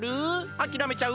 あきらめちゃう？